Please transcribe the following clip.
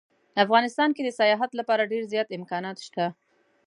افغانستان کې د سیاحت لپاره ډیر زیات امکانات شته